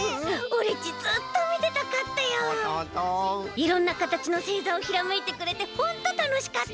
いろんなかたちのせいざをひらめいてくれてホントたのしかった。